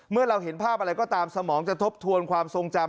เราเห็นภาพอะไรก็ตามสมองจะทบทวนความทรงจำ